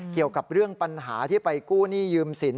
เกี่ยวกับเรื่องปัญหาที่ไปกู้หนี้ยืมสิน